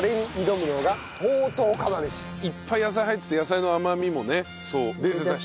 いっぱい野菜入ってて野菜の甘みもね出てたし。